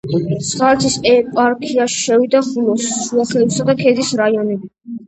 სხალთის ეპარქიაში შევიდა ხულოს, შუახევისა და ქედის რაიონები.